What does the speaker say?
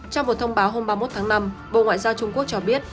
trong một thông báo hôm ba mươi một tháng năm bộ ngoại giao trung quốc cho biết